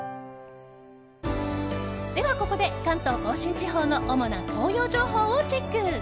では、ここで関東・甲信地方の主な紅葉情報をチェック！